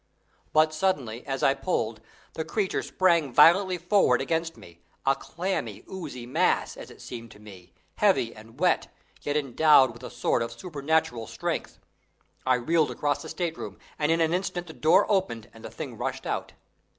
But suddenly, as I pulled, the creature sprang violently forward against me, a clammy, oozy mass, as it seemed to me, heavy and wet, yet endowed with a sort of supernatural strength. I reeled across the state room, and in an instant the door opened and the thing rushed out.